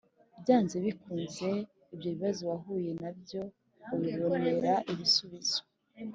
byanze bikunze ibyo bibazo wahuye na byo ubibonera ibisubizo.